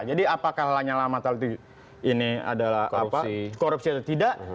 jadi apakah lanyala mataliti ini adalah korupsi atau tidak